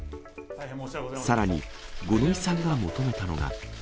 さらに、五ノ井さんが求めたのが。